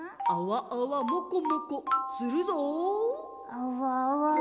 あわあわ？